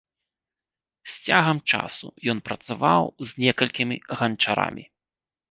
З цягам часу ён працаваў з некалькімі ганчарамі.